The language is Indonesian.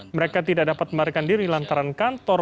mereka tidak dapat melarikan diri lantaran kantor